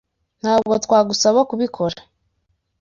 Ntabwo twagusaba kubikora.